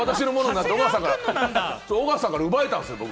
尾形さんから奪えたんですよ、